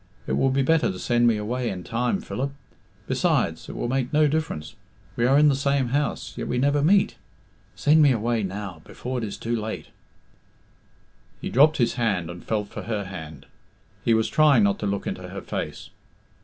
It will be better to send me away in time, Philip. Besides, it will make no difference. We are in the same house, yet we never meet. Send me away now, before it is too late." He dropped his hand and felt for her hand; he was trying not to look into her face.